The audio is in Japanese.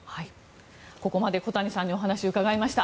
ここまで小谷さんにお話を伺いました。